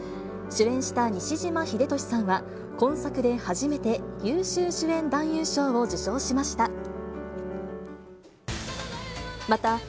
主演した西島秀俊さんは、今作で初めて優秀主演男優賞を受賞しました。